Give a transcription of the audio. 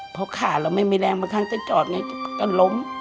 เพราะขาเราไม่มีแรงบางครั้งก็จอดไงก็ล้ม